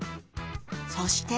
そして。